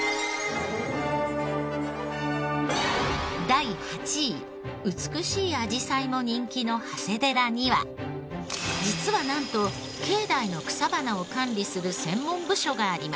第８位美しいあじさいも人気の長谷寺には実はなんと境内の草花を管理する専門部署があります。